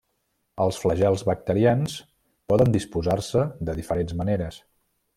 Els flagels bacterians poden disposar-se de diferents maneres.